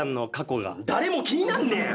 誰も気になんねえよ